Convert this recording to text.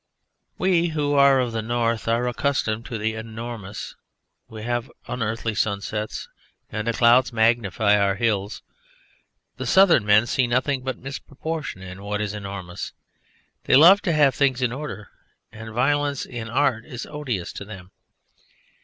We who are of the North are accustomed to the enormous; we have unearthly sunsets and the clouds magnify our hills. The Southern men see nothing but misproportion in what is enormous. They love to have things in order, and violence in art is odious to them.